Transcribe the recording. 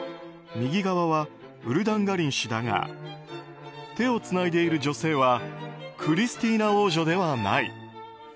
右側はウルダンガリン氏だが手をつないでいる女性はクリスティーナ王女ではない。